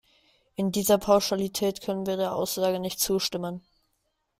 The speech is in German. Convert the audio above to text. In dieser Pauschalität können wir der Aussage nicht zustimmen.